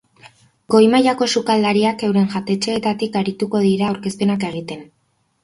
Goi mailako sukaldariak euren jatetxeetatik arituko dira aurkezpenak egiten.